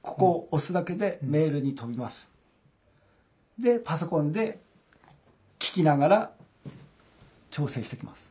でパソコンで聴きながら調整していきます。